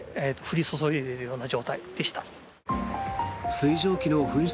水蒸気の噴出